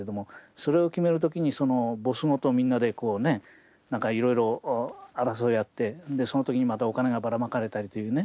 それを決める時にボスごとみんなでこうね何かいろいろ争い合ってその時にまたお金がばらまかれたりというね。